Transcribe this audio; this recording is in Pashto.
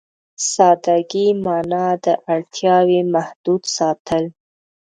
سادهګي معنا ده اړتياوې محدود ساتل.